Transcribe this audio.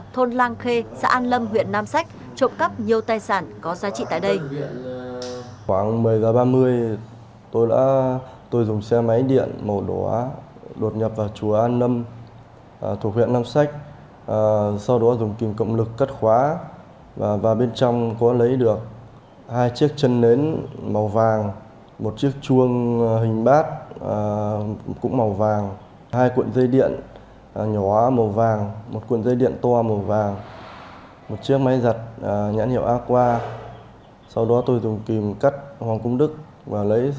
thôn lang khê xã an lâm huyện nam sách trộm cắp nhiều tài sản có giá trị tại đây